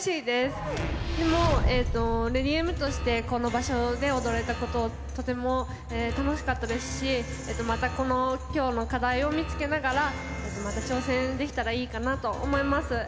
でも、ＬａｄｙＭ．として、この場所で踊れたこと、とても楽しかったですし、またこのきょうの課題を見つけながら、また挑戦できたらいいかなと思います。